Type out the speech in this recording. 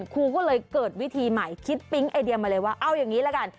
ครูก็เลยเกิดวิธีใหม่คิดปิ๊งไอเดียมาเลยว่าเอาอย่างนี้ละกัน